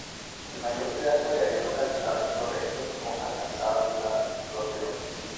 El mayor pedazo de avión localizado entre los restos no alcanzaba los de longitud.